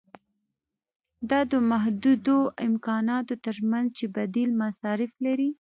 دا د محدودو امکاناتو ترمنځ چې بدیل مصارف لري.